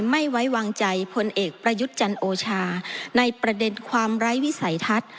ไม่ไว้วางใจพลเอกประยุทธ์จันโอชาในประเด็นความไร้วิสัยทัศน์